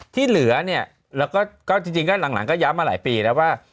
ที่เหลือเนี่ยแล้วก็จริงก็หลังก็ย้ำมาหลายปีแล้วว่า